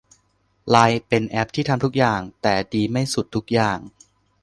ไลน์เป็นแอปที่ทำทุกอย่าง แต่ดีไม่สุดทุกอย่าง